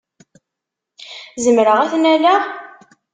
Zemreɣ ad t-nnaleɣ?